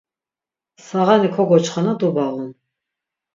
Sağani kogoçxana dubağun.